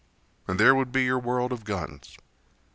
And there would be your world of guns!